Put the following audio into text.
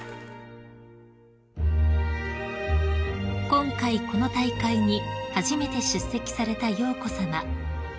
［今回この大会に初めて出席された瑶子さま］